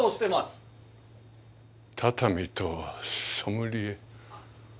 畳とソムリエ？